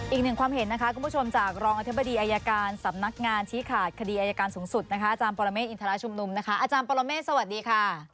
อีกหนึ่งความเห็นนะคะคุณผู้ชมจากรองอธิบดีอายการสำนักงานชี้ขาดคดีอายการสูงสุดนะคะอาจารย์ปรเมฆอินทราชุมนุมนะคะอาจารย์ปรเมฆสวัสดีค่ะ